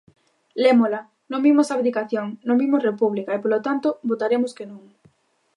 Lémola, non vimos abdicación, non vimos república e, polo tanto, votaremos que non.